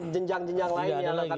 jenjang jenjang lain yang akan